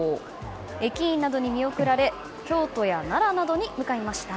駅員などに見送られ京都や奈良などに向かいました。